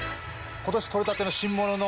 今年取れたての新物の。